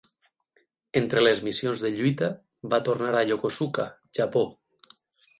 Entre les missions de lluita, va tornar a Yokosuka, Japó.